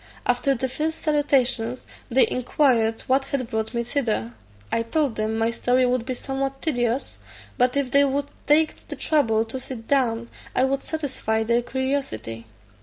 After the first salutations, they inquired what had brought me thither. I told them my story would be somewhat tedious, but if they would take the trouble to sit down, 1 would satisfy their curiosity.